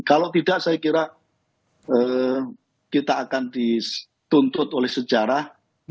kalau tidak saya kira kita akan dituntut oleh sejarah